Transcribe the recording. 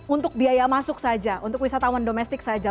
untuk biaya masuk saja untuk wisatawan domestik saja